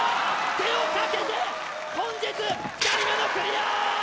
手をかけて本日２人目のクリア！